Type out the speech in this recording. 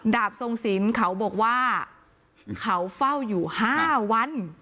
บทรงศิลป์เขาบอกว่าเขาเฝ้าอยู่๕วัน